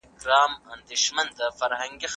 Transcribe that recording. هغې د پردې له سوري څخه د لمر وړانګې وکتلې.